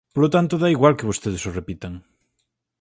Polo tanto, dá igual que vostedes o repitan.